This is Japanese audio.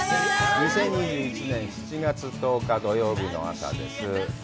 ２０２１年７月１０日土曜日の朝です。